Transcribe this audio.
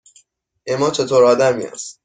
اِما چطور آدمی است؟